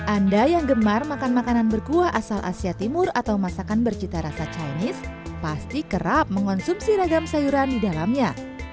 anda yang gemar makan makanan berkuah asal asia timur atau masakan bercita rasa chinese pasti kerap mengonsumsi ragam sayuran di dalamnya